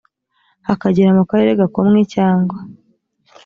hakagera mu karere gakomwe cyangwa